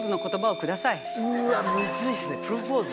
うわムズいっすねプロポーズ。